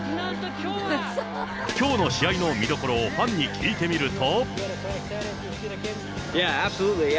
きょうの試合の見どころをファンに聞いてみると。